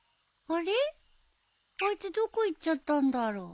あいつどこ行っちゃったんだろう。